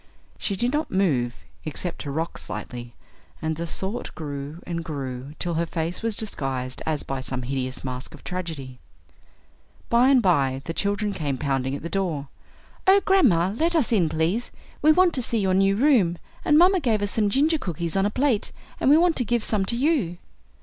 She did not move, except to rock slightly, and the Thought grew and grew till her face was disguised as by some hideous mask of tragedy. By and by the children came pounding at the door. "Oh, grandma, let us in, please. We want to see your new room, and mamma gave us some ginger cookies on a plate, and we want to give some to you."